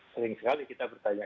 paling sekali kita bertanya